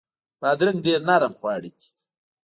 بادرنګ ډیر نرم خواړه دي.